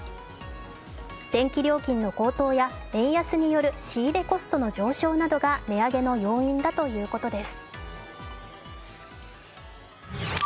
電気料金の高騰や円安による仕入れコストが値上げの要因だということです。